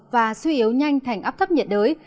và suy yếu nhanh thành áp thấp nhiệt đới